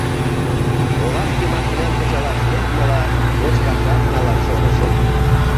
Олашке машинам кычалаш лекмыла, кочкашат налаш шонышым.